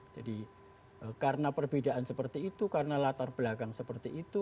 jadi karena perbedaan seperti itu karena latar belakang seperti itu